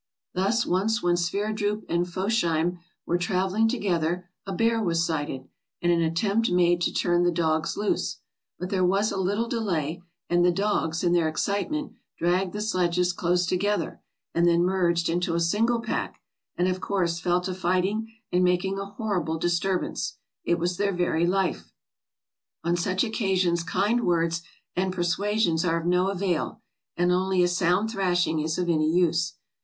Thus once when Sverdrup and Fosheim were traveling together a bear was sighted, and an attempt made to turn the dogs loose, but there was a little delay, and the dogs, in their excitement, dragged the sledges close together, and then merged into a single pack, and of course fell to fighting and making a horrible disturbance — it was their very life. On such occasions kind words and persuasions are of no avail, and only a sound thrashing is of any use.